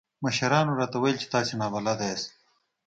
مشرانو راته وويل چې تاسې نابلده ياست.